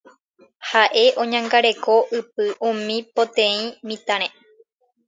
ha'e oñangareko ypy umi poteĩ mitãre